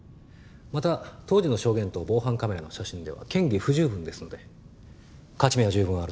また当時の証言と防犯カメラの写真では嫌疑不十分ですので勝ち目は十分あると思います。